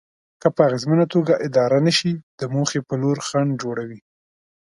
که په اغېزمنه توګه اداره نشي د موخې په لور خنډ جوړوي.